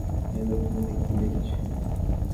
এই লোকটির মধ্যে কী দেখেছে?